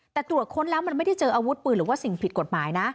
แต่ตรวจค้นแล้วมันไม่ได้เจออาวุธปืนหรือว่าสิ่งผิดกฎหมายนะ